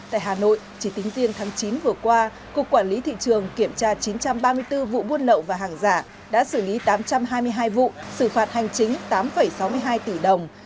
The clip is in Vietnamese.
tại hà nội chỉ tính riêng tháng chín vừa qua cục quản lý thị trường kiểm tra chín trăm ba mươi bốn vụ buôn lậu và hàng giả đã xử lý tám trăm hai mươi hai vụ xử phạt hành chính tám sáu mươi hai tỷ đồng